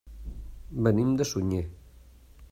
Venim de Sunyer.